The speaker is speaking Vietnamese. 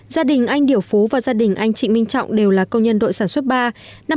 gia đình anh điểu phú và gia đình anh chị minh trọng đều là công nhân đội sản xuất ba